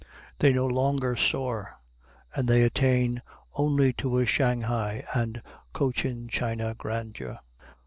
They no longer soar, and they attain only to a Shanghai and Cochin China grandeur.